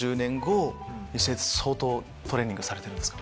相当トレーニングされてるんですか？